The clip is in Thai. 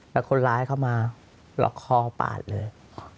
แล้วคนร้ายเข้ามาล็อกคอปาดเลย